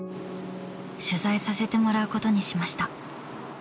取材させてもらうことにしました。